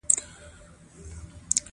د مقالو شمیر د ټولنې د غړو لخوا ټاکل کیږي.